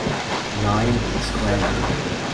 Nine is a square number.